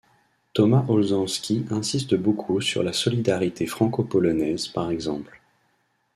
Thomas Olzanski insiste beaucoup sur la solidarité franco-polonaise, par exemple.